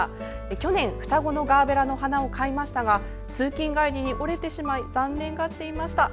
去年双子のガーベラの花を買いましたが通勤帰りに折れてしまい残念がっていました。